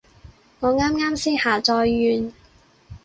我啱啱先下載完